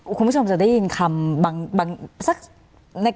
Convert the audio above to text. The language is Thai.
คุณผู้ชมจะได้ยินคำบางสัก